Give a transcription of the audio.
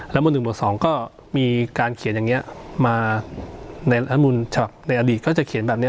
แล้วหมวดหนึ่งหมวดสองก็มีการเขียนอย่างเงี้ยมาในรัฐบาลมูลฉภาพในอดีตก็จะเขียนแบบเนี้ย